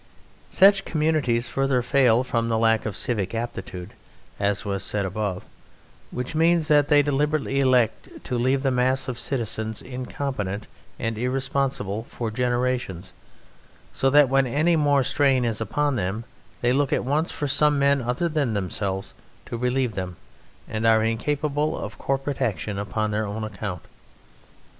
Such communities further fail from the lack of civic aptitude, as was said above, which means that they deliberately elect to leave the mass of citizens incompetent and irresponsible for generations, so that, when any more strain is upon them, they look at once for some men other than themselves to relieve them, and are incapable of corporate action upon their own account.